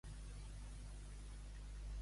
Sant Pere fa les portadores netes.